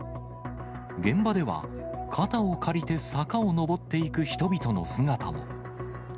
現場では、肩を借りて坂を登っていく人々の姿も。